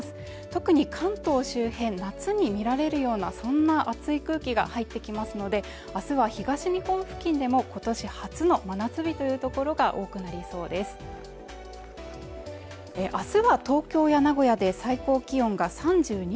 特に関東周辺の夏に見られるようなそんな熱い空気が入ってきますのであすは東日本付近でも今年初の真夏日という所が多くなりそうです関東の天気です